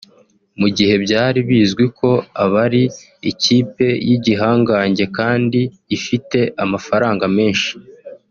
Mu gihe byari bizwi ko ari ikipe y’igihangange kandi ifite amafaranga menshi